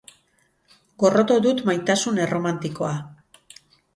Gorroto dut maitasun erromantikoa.